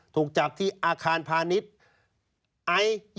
ถูกจับที่อาคารพาณิชย์ไอซ์